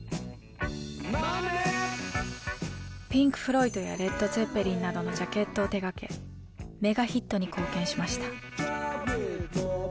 ピンク・フロイドやレッド・ツェッペリンなどのジャケットを手がけメガヒットに貢献しました。